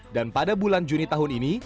dan pada bulan juni tahun ini